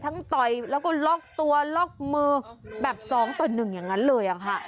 ทั้งต่อยแล้วก็ล็อคตัวล็อคมือแบบสองตัวหนึ่งอย่างนั้นเลยอะค่ะ